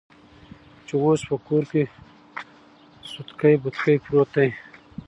چې اوس په کور کې سوتکى بوتکى پروت دى.